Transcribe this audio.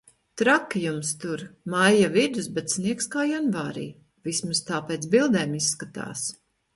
Traki jums tur. Maija vidus, bet sniegs kā janvārī. Vismaz tā pēc bildēm izskatās.